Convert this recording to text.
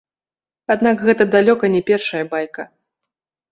Аднак гэта далёка не першая байка.